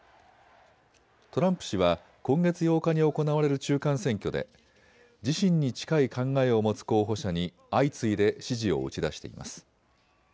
トランプ氏は今月８日に行われる中間選挙で自身に近い考えを持つ候補者に相次いで支持を打ち出しています。